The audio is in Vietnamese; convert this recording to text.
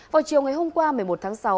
vào chiều ngày hôm qua một mươi một tháng sáu